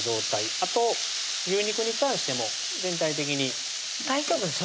あと牛肉に関しても全体的に大丈夫でしょ？